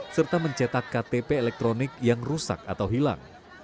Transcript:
serta mencetak ktp elektronik yang rusak atau hilang